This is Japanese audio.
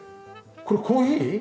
これコーヒー？